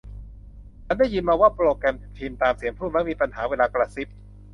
ฉันได้ยินมาว่าโปรแกรมพิมพ์ตามเสียงพูดมักมีปัญหาเวลากระซิบ